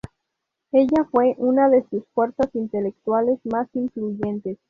Ella fue una de sus fuerzas intelectuales más influyentes".